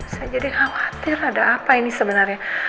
saya jadi khawatir ada apa ini sebenarnya